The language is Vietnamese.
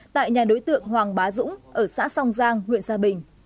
tại nhà đối tượng hoàng bá dũng ở xã song giang huyện gia bình